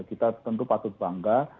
kita tentu patut bangga